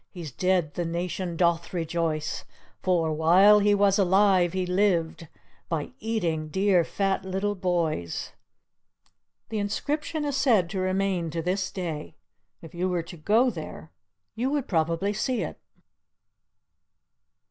He's dead the nation doth rejoice, For, while he was alive, he lived By e g dear, fat, little boys." The inscription is said to remain to this day; if you were to go there you would probably see it.